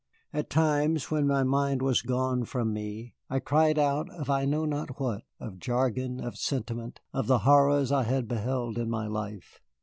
At times, when my mind was gone from me, I cried out I know not what of jargon, of sentiment, of the horrors I had beheld in my life.